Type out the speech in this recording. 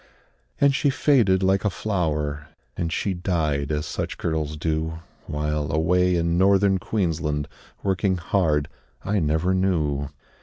And she faded like a flower, And she died, as such girls do, While, away in Northern Queensland, Working hard, I never knew.